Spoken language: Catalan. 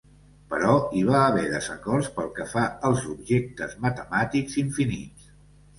Però hi va haver desacords pel que fa als objectes matemàtics infinits.